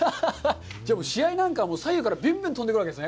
じゃあ、試合なんかも左右からびゅんびゅん飛んでくるんですね？